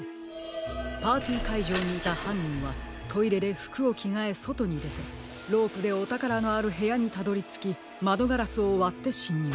パーティーかいじょうにいたはんにんはトイレでふくをきがえそとにでてロープでおたからのあるへやにたどりつきまどガラスをわってしんにゅう。